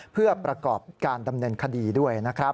เพื่อประกอบการดำเนินคดีด้วยนะครับ